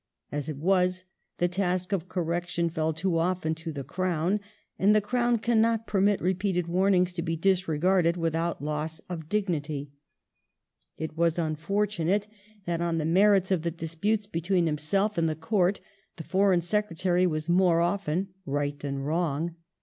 As it was, the task of correction fell too often to the Crown, and the Crown cAnnot permit repeated warnings to be disregai'ded without loss of dignity. It was unfortunate that JQ.7.L.ii.3i5. 1862] THE "COUP D'ETAT" OF 1851 207 on the merits of the disputes between himself and the Court the Foreign Secretary was more often right than wrong.